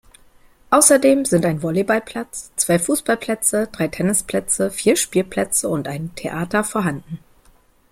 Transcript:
Außerdem sind ein Volleyballplatz, zwei Fußballplätze, drei Tennisplätze, vier Spielplätze und ein Theater vorhanden.